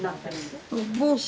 帽子。